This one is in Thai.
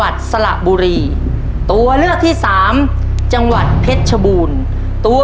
อ๋ออันนี้ไปเร็วแล้ว๒๔แล้ว